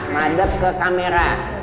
madep ke kamera